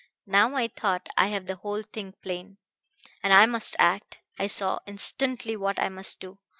"Now, I thought, I have the whole thing plain, and I must act. I saw instantly what I must do.